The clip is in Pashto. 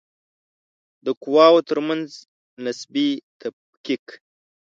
د قواوو ترمنځ نسبي تفکیک